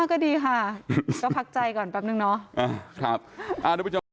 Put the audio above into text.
ก็ดีค่ะก็พักใจก่อนแป๊บนึงเนาะ